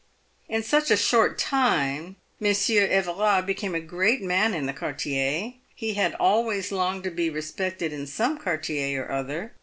In a short time, Monsieur Everard became a great man in the quariier. He had always longed to be respected in some quartier or other.